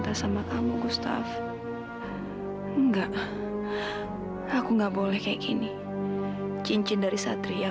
karena anak anaknya tuh lzenie keluar ke tempat oro